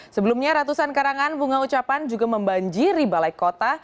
sebelumnya ratusan karangan bunga ucapan juga membanjiri balai kota